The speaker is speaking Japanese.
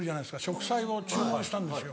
植栽を注文したんですよ